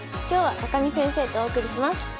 今日は見先生とお送りします。